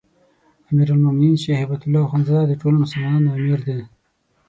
امیرالمؤمنین شيخ هبة الله اخوندزاده د ټولو مسلمانانو امیر دی